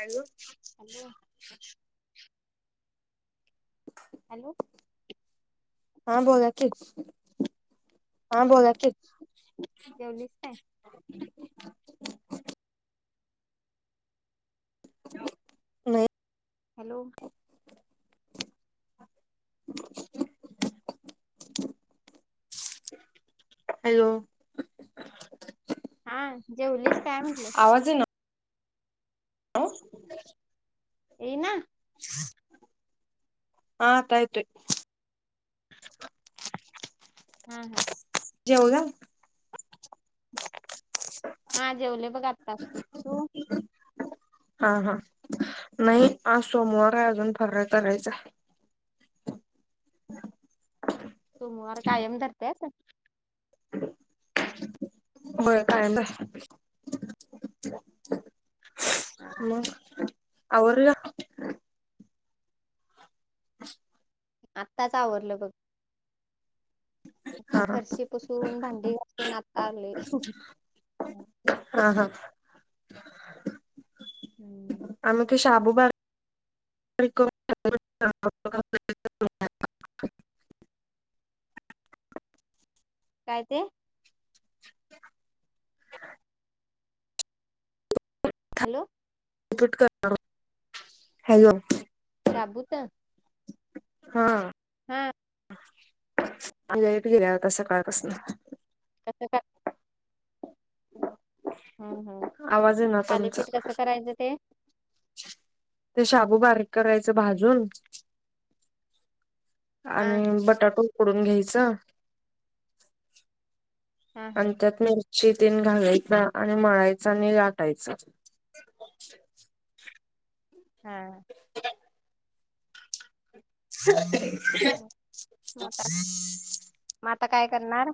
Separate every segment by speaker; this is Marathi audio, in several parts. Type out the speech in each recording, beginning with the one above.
Speaker 1: हॅलो हॅलो
Speaker 2: हा बोला की.
Speaker 1: हा बोला कि.
Speaker 2: [unintelligible] नाही
Speaker 1: हॅलो
Speaker 2: [unintelligible] हॅलो
Speaker 1: हा जेवलीच काय म्हंटलं?
Speaker 2: आवाज येईना. ह्
Speaker 1: येईना.
Speaker 2: हा आता येतोय.
Speaker 1: ह्अ ह्अ
Speaker 2: जेवला.
Speaker 1: हा जेवले बघ आता तू?
Speaker 2: हा हा नाही आज सोमवार आहे अजून फर्राळ करायचं आहं. [unintelligible]
Speaker 1: सोमवार कायम धरतीयास? [unintelligible]
Speaker 2: होय कायम धरतोय.
Speaker 1: हा
Speaker 2: मग आवरलं? [unintelligible]
Speaker 1: आत्ताच आवरलं बघ. आता
Speaker 2: हा हा
Speaker 1: फरशी पुसून भांडी घासून आत्ता आलोय ह्.
Speaker 2: हा हा.
Speaker 1: हम्म
Speaker 2: आम्ही ते शाबू बारके [unintelligible]
Speaker 1: काय ते? हॅलो
Speaker 2: कट करणार [unintelligible] हॅलो.
Speaker 1: शाबूत?
Speaker 2: हां.
Speaker 1: हां.
Speaker 2: लाईट गेल्या आता सकाळ पसन.
Speaker 1: [unintelligible] हम्म हम्म,
Speaker 2: आवाज येईना तुमचा
Speaker 1: थालीपीठ कसं करायचं ते?
Speaker 2: ते शाबू बारीक करायचं भाजून
Speaker 1: हा
Speaker 2: आणि बटाटू उकडून घ्यायच
Speaker 1: हा हा
Speaker 2: आणि त्यात मिरची तेन घालायच, आणि मळायच, आणि लाटायच.
Speaker 1: हां.
Speaker 2: [inaudible] [inaudible]
Speaker 1: म आता काय करणार?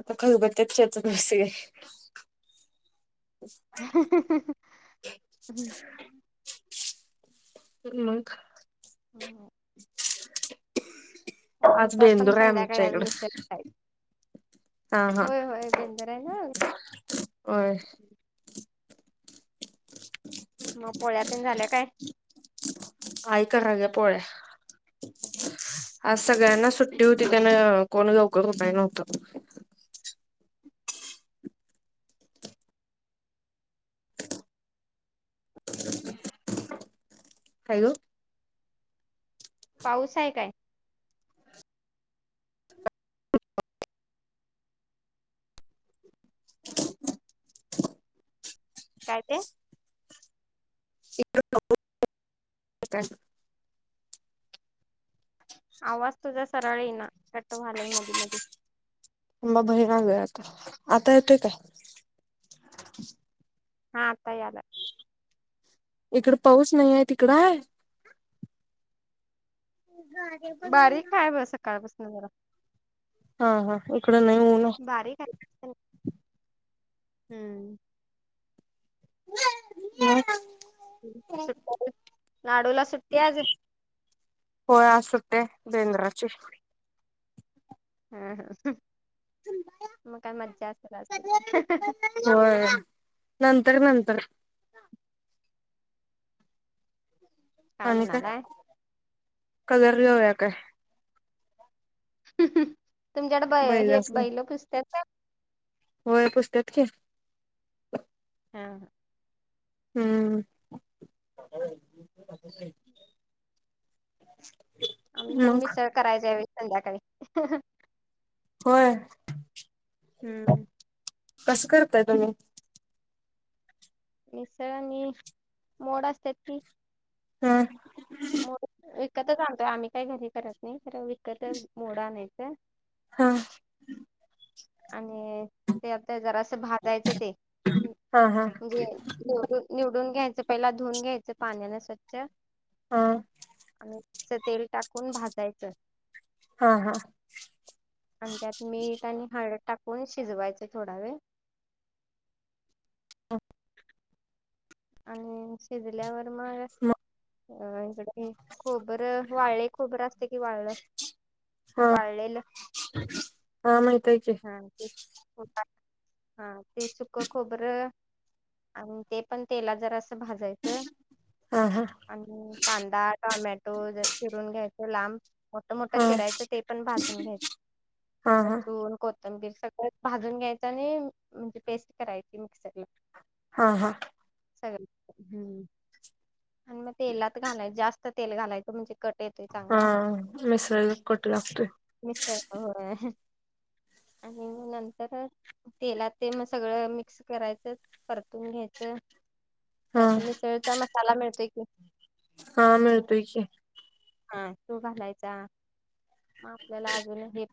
Speaker 2: आता खलबत्यात चेचत बसलोय.
Speaker 1: [inaudible]
Speaker 2: हम्म मगं?
Speaker 1: [inaudible]
Speaker 2: आज
Speaker 1: आमच्यात पण
Speaker 2: बेंदूर हाय
Speaker 1: संध्याकाळी
Speaker 2: आमच्या
Speaker 1: आज
Speaker 2: इकड.
Speaker 1: मिसळ
Speaker 2: हां हां
Speaker 1: होय होय बेंदर आहे ना
Speaker 2: होय. [inaudible]
Speaker 1: म पोळ्या तेन झाल्या काय?
Speaker 2: आई करालिया पोळ्या.
Speaker 1: [inaudible]
Speaker 2: आज सगळ्यांना सुट्टी होती त्याना कोण लवकर उठा नव्हतं. हॅलो.
Speaker 1: पाऊस हाय काय?
Speaker 2: [inaudible]
Speaker 1: काय ते?
Speaker 2: [unintelligible]
Speaker 1: आवाज तुझा सरळ ईना, कट व्हालय मधी मधी.
Speaker 2: थांब हा भैर आलोय आता, आता येतोय काय?
Speaker 1: हां आता यालाय.
Speaker 2: इकड पाऊस नाही हाय, तिकड हाय? [inaudible]
Speaker 1: बारीक हाय ब सकाळपसन जरा.
Speaker 2: हां हां, इकड नाही ऊन आहे
Speaker 1: बारीक हाय जास्त नाही, हम्म.
Speaker 2: म?
Speaker 1: सुट्टी हाय होय, लाडूला सुट्टी आज?
Speaker 2: होय आज सुट्टी हाय बेंदराची.
Speaker 1: हं हं म काय मज्जा असलं आज.
Speaker 2: होय नंतर नंतर आणि काय कगर लेवूया काय?
Speaker 1: तुमच्याकड बै हे
Speaker 2: बैलासनी
Speaker 1: बैल पुजत्यात का?
Speaker 2: होय पुजत्यात की.
Speaker 1: हा हा.
Speaker 2: हम्म. [unintelligible]
Speaker 1: आम्ही पण
Speaker 2: मग
Speaker 1: मिसळ करायचो ह्यावेळी संध्याकाळी.
Speaker 2: होय.
Speaker 1: हम्म.
Speaker 2: कसं करताय तुम्ही?
Speaker 1: मीसळ आणि मोड असत्यात ती
Speaker 2: हां.
Speaker 1: मोड विकतच आणतोय आम्ही काही घरी करत नाही तर विकतच मोडं आणायचं.
Speaker 2: हा.
Speaker 1: आणि ते आता जरा असं भाजायचं ते
Speaker 2: हा हा
Speaker 1: म्हणजे निवडून निवडून घ्यायच पहिलं धुऊन घ्यायचं पाण्याने स्वच्छ
Speaker 2: हा
Speaker 1: आणि असं तेल टाकून भाजायचं.
Speaker 2: हा हा.
Speaker 1: आणि त्यात मीठ आणि हळद टाकून शिजवायचे थोडा वेळ.
Speaker 2: [unintelligible]
Speaker 1: आणि शिजल्यावर मग
Speaker 2: म
Speaker 1: अ इकडे खोबरं वाळले खोबर असते की वाळ
Speaker 2: हा
Speaker 1: वाळलेलं
Speaker 2: हा माहित आहे ची.
Speaker 1: हा ते [unintelligible] हा ते सुख खोबरं आणि ते पण तेलात जरासं भाजायचं
Speaker 2: हा हा
Speaker 1: आणि कांदा, टोमॅटो ज चिरून घ्यायचे लांब मोठ मोठं
Speaker 2: हा
Speaker 1: चिरायचं ते पण भाजून घ्यायच
Speaker 2: हा हा
Speaker 1: लसूण कोथंबीर सगळं भाजून घ्यायचं आणि म्हणजे पेस्ट करायची मिक्सर ला.
Speaker 2: हा हा.
Speaker 1: सगळं हम्म. आणि म तेलात घालाय जास्त तेल घालायच म्हणजे कट येतोय
Speaker 2: हा
Speaker 1: चांगला.
Speaker 2: मिसळला कट लागतोय.
Speaker 1: मिसळीला होय. आणि मग नंतर तेलात ते मग सगळं मिक्स करायचं परतून घ्यायचं.
Speaker 2: हा
Speaker 1: त्यात मिसळचा मसाला मिळतोय कि.
Speaker 2: हा मिळतोय की.
Speaker 1: हा तो घालायचा, आपल्याला अजुन हे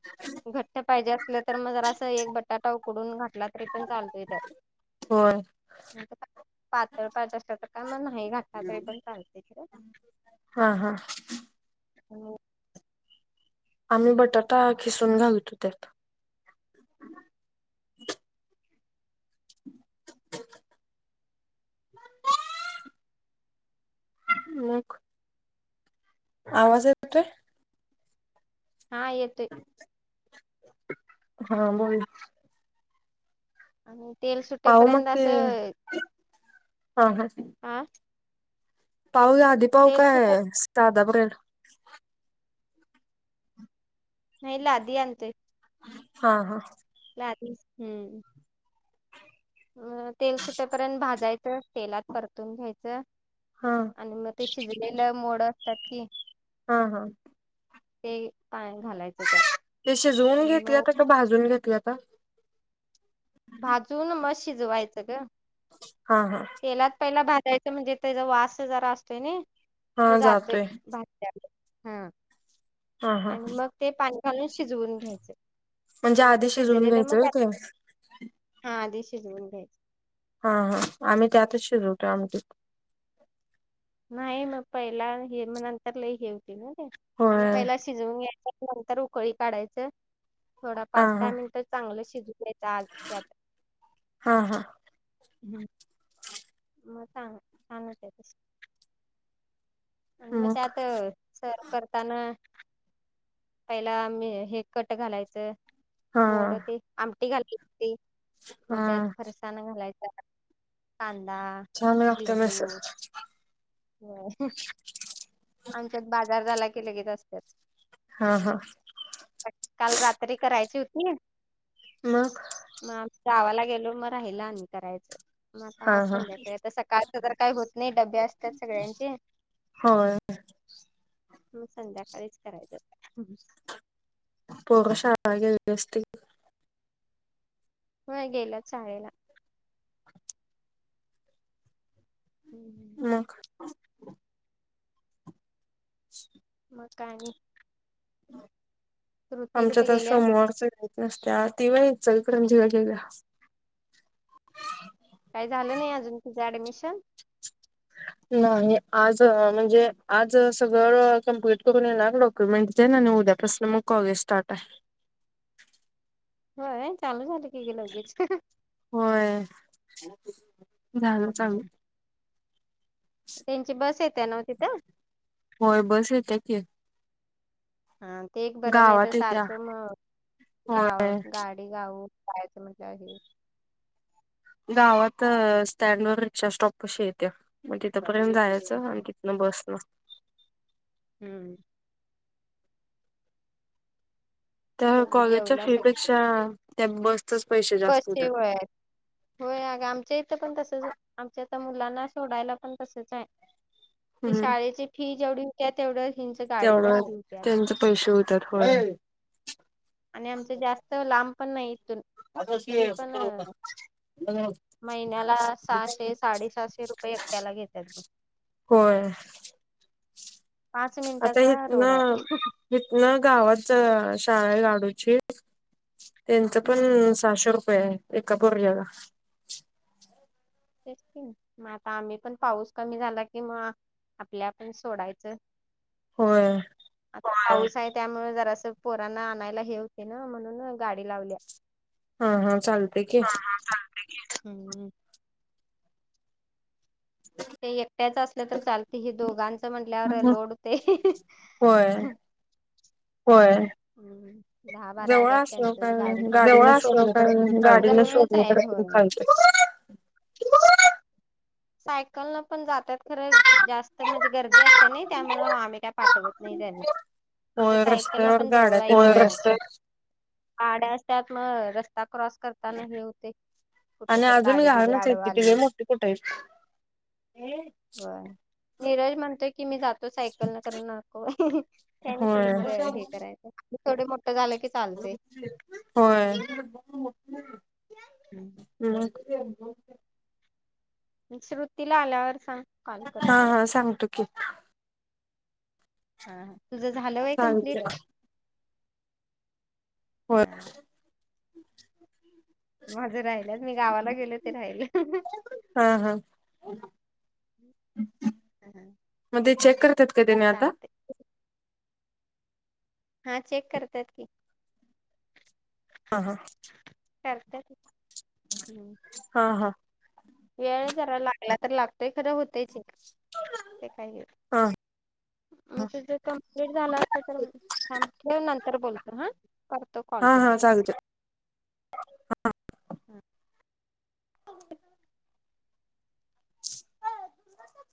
Speaker 1: घट्ट पाहिजे असलं तर मग जरा असं एक बटाटा उकडून घातला तरी पण चालतोय त्यात.
Speaker 2: होय
Speaker 1: पातळ खायचं असतं तर का मग नाही घातला तरी पण चालते खरं.
Speaker 2: हा हा.
Speaker 1: हो.
Speaker 2: आम्ही बटाटा खिसून घालतो त्यात. मग. [unintelligible] आवाज येतोय.
Speaker 1: हा येतोय.
Speaker 2: हा बोला.
Speaker 1: आणि तेल
Speaker 2: पाव मग
Speaker 1: सुटेपर्यंत
Speaker 2: ते
Speaker 1: असं,,
Speaker 2: हा हा
Speaker 1: आं
Speaker 2: पाव लादि पाव काय
Speaker 1: सुटत
Speaker 2: साधा ब्रेड.
Speaker 1: नाही लादी आणतय.
Speaker 2: हा हा.
Speaker 1: लादि हम्म. अ तेल सुटेपर्यंत भाजायचं, तेलात परतून घ्यायचं,
Speaker 2: हा
Speaker 1: आणि मग ते शिजलेलं मोड आसतात कि
Speaker 2: हा हा.
Speaker 1: ते पाणी घालायचं त्यात
Speaker 2: ते शिजवून
Speaker 1: आणि
Speaker 2: घेतल्याता
Speaker 1: मग
Speaker 2: का भाजून घेतल्याता?
Speaker 1: भाजून मग शिजवायचं ग.
Speaker 2: हा हा.
Speaker 1: तेलात पहिला भाजायचं, म्हणजे तेचा वास जरा असतोय नाई ते जातोय, भाजतानं, हं
Speaker 2: हा हा
Speaker 1: आणि मग ते पाणी घालून शिजवून घ्यायचं, आणि
Speaker 2: म्हणजे
Speaker 1: मग ते
Speaker 2: आधी शिजवून
Speaker 1: शिजलेलं मग
Speaker 2: घ्यायचं होय
Speaker 1: त्यात
Speaker 2: ते
Speaker 1: हा आधी शिजवुन घ्यायचं.
Speaker 2: हा हा, आम्ही त्यातच शिजवतो आमटी.
Speaker 1: नाही मग पहिला हे, मग नंतर लय हे होतय नाई ते, मग
Speaker 2: होय
Speaker 1: पहिला शिजवून घ्याय नंतर उकळी काढायचं, थोडा
Speaker 2: हा
Speaker 1: पाच
Speaker 2: हा
Speaker 1: दहा मिनिट चांगलं शिजू द्यायचं आत त्यात.
Speaker 2: हा हा.
Speaker 1: हम्म. मग छान, छान होतय तशी. [unintelligible] आणि मग त्यात सर्व करताना, पहिला मी हे कट घालायचं
Speaker 2: हा
Speaker 1: मोड ते, आमटी घालली हो, मग
Speaker 2: हा
Speaker 1: त्यात फरसा त्यान घालायचा ना, कांदा
Speaker 2: छान लागत्या मिसळ.
Speaker 1: हो [unintelligible] आमच्यात बाजार झाला की लगेच असत्याच.
Speaker 2: हा हा.
Speaker 1: काल रात्री करायची हुती,
Speaker 2: मग
Speaker 1: मग आम्ही गावाला गेलो मग राहिलं आणि करायचं, मग आता
Speaker 2: हा
Speaker 1: आज
Speaker 2: हा
Speaker 1: संध्याकाळी आता सकाळ तर काही होत नाही, डबे असतात सगळ्यांचे.
Speaker 2: होय.
Speaker 1: मग संध्याकाळीच करायचं आता.
Speaker 2: पोरं शाळेला गेलेली असती
Speaker 1: व्हय गेल्यात शाळेला. हम्म हम्म.
Speaker 2: मग [unintelligible]
Speaker 1: मग काय आनी. श्रुती
Speaker 2: आमच्या
Speaker 1: कुठे
Speaker 2: तर
Speaker 1: गेल्या?
Speaker 2: समोवर च एक भुक नसत्या, ती वय इचलकरंजीला गेल्या.
Speaker 1: काय झालं नाही अजून तीझं ऍडमिशन.
Speaker 2: नाही आज म्हणजे आज सगळं कंप्लीट करून येणार मग डॉक्युमेंट्स मग उद्यापासून कॉलेजस्टार्ट.
Speaker 1: होय चालू झाले की लगेच.
Speaker 2: होय. झालं चालू
Speaker 1: त्यांची बस येत्यि नव तिथं?
Speaker 2: होय बस य त्या की,
Speaker 1: हा ते एक बरं नाही तर
Speaker 2: गावात येत्या
Speaker 1: सारखं म ग गाव
Speaker 2: होय
Speaker 1: गाडी- गाडी गाव करायचं म्हनलं कि-
Speaker 2: गावात स्टँड वर रिक्षा स्टॉप पशी येते मग तिथपर्यंत जायचं
Speaker 1: होतंय.
Speaker 2: आणि- मग बस ने
Speaker 1: हम्म
Speaker 2: त्या कॉलेजच्या
Speaker 1: जेवला सग
Speaker 2: फी पेक्षा त्या बसच पैसे-
Speaker 1: बस
Speaker 2: जास्त
Speaker 1: चे
Speaker 2: होतात
Speaker 1: व्हय. होय अग आमच्या इथं पण तसंच, आमच्या इथं मुलांना सोडायला पण तसच आहे. ते
Speaker 2: हम्म
Speaker 1: शाळेची फी जेवढी होत्या, तेवढं हेच गाडीच
Speaker 2: तेवढं
Speaker 1: फी होत्या.
Speaker 2: त्यांचे पैसे होतात होय की.
Speaker 1: आणि आमचं जास्त लांब पण नाही इथून.
Speaker 2: आताशी
Speaker 1: तरी पण
Speaker 2: सत
Speaker 1: अ,
Speaker 2: हो [inaudible] ह [unintelligible]
Speaker 1: महिन्याला सहाशे साडेसहाशे रुपये एकट्याला घेतात.
Speaker 2: होय
Speaker 1: पाच मिनिटाचा रोड आहे.
Speaker 2: हीतन गावात शाळाआहे लाडूची. त्यांचं
Speaker 1: हम्म,
Speaker 2: पण सहाशे रुपये आहे एका पोरग्याला.
Speaker 1: तेच की मग आता आम्ही पण पाऊस कमी झाला कि म- आपले आपण सोडायचं.
Speaker 2: होय
Speaker 1: आता पाऊस आहे त्यामुळे जरा सं पोरांना आणायला हे होते ना म्हणून गाडी लावल्या.
Speaker 2: हा हा चाल ते की.
Speaker 1: हम्म [inaudible]
Speaker 2: ह
Speaker 1: ते एकट्याच असल्या तर चालते हे दोघांच म्हटल्यावर लोड होतंय.
Speaker 2: होय
Speaker 1: होय दहा बारा
Speaker 2: जवळ
Speaker 1: हजार
Speaker 2: असल्यावर
Speaker 1: त्यांचंच
Speaker 2: काय
Speaker 1: गाडीच
Speaker 2: गाडीनं सोडलं तर पण
Speaker 1: असो गाडी
Speaker 2: चालतंय
Speaker 1: [inaudible] सायकलने पण जात्यात खरं- जास्त म्हणजे गर्दी असत्या नाही त्यामुळं आम्ही काय पाठवत नाही त्यांना- आमच्या
Speaker 2: होय
Speaker 1: सायकलला
Speaker 2: रस्त्यावर
Speaker 1: पण
Speaker 2: गाड्या
Speaker 1: जवळ
Speaker 2: तेन लय असत्यात
Speaker 1: गाड्या असतात मग रस्ते [inaudible] रस्ता क्रॉस करताना हे होते कुठं तर गाडी बिडी आडवा आली.
Speaker 2: कुठ आहेस तु
Speaker 1: होय. नीरज म्हणतोय की मी जातो सायकल न करण नाको बाई. त्यानी कुठं
Speaker 2: होय
Speaker 1: तरी हे करायचं थोड मोठं झालं की चालतंय.
Speaker 2: होय.
Speaker 1: हम्
Speaker 2: मग [inaudible]
Speaker 1: श्रुतीला आल्यावर सांग? कॉल
Speaker 2: हा
Speaker 1: करतो
Speaker 2: हा सांगतो की.
Speaker 1: हा हा तुझं झालं व्हय
Speaker 2: सांगते
Speaker 1: कंप्लीट?
Speaker 2: होय
Speaker 1: माझं राहिल्यात मी गावाला गेलो ते राहिल्यात.
Speaker 2: हा हा
Speaker 1: ह ह
Speaker 2: मग ते चेक करत्यात का तेनी आता?
Speaker 1: हा चेक करतात्यात कि.
Speaker 2: हा हा
Speaker 1: करत्यात घे.
Speaker 2: हा हा
Speaker 1: वेळ जरा लागला तर लागतोय खरं होतय चेक ते काही हे नाही.
Speaker 2: हा
Speaker 1: आमचं जर कंप्लीट झालं असल तर थांब ठेव नंतर बोलतो हा करतो कॉल.
Speaker 2: हा हा
Speaker 1: तुला
Speaker 2: चालतंय. [unintelligible] [unintelligible]